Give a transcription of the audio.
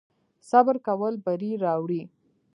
صبر کول بری راوړي